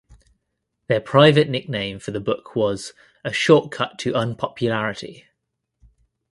Their private nickname for the book was "A Short Cut to Unpopularity".